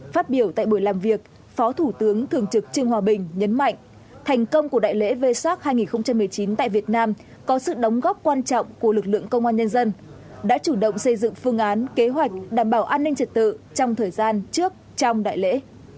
phát biểu tại buổi làm việc phó thủ tướng thường trực trương hòa bình nhấn mạnh thành công của đại lễ v sac hai nghìn một mươi chín tại việt nam có sự đóng góp quan trọng của lực lượng công an nhân dân đã chủ động xây dựng phương án kế hoạch đảm bảo an ninh trật tự trong thời gian trước trong đại lễ